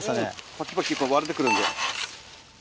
パキパキ割れてくるんで。